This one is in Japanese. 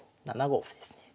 ７五歩ですね。